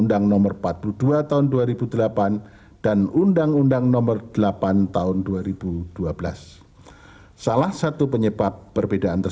jangan lupa apply disini untuk aman satu bulan video membolehkan uang dan senjata itu sendiri